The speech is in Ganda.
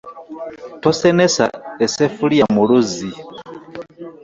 Tosenesa esseffuliya mu luzzi.